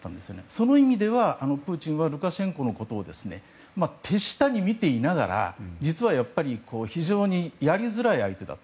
その意味では、プーチンはルカシェンコのことを手下に見ていながら、実は非常にやりづらい相手だと。